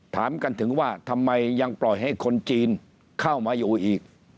ถามกันถึงว่าทำไมยังปล่อยให้คนจีนเข้ามาอยู่อีก